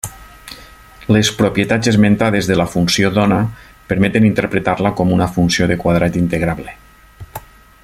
Les propietats esmentades de la funció d'ona permeten interpretar-la com una funció de quadrat integrable.